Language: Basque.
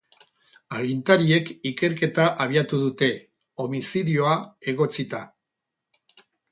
Agintariek ikerketa abiatu dute, homizidioa egotzita.